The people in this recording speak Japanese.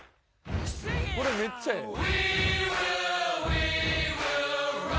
これめっちゃええ。